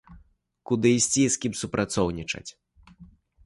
Куды ісці і з кім супрацоўнічаць?